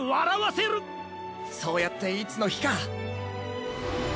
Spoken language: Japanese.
そうやっていつのひか。